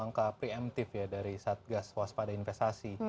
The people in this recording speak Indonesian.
ini juga salah satu langkah preemptive ya dari satgas waspada investasi